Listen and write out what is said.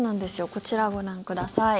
こちらご覧ください。